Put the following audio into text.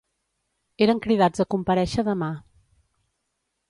Eren cridats a comparèixer demà.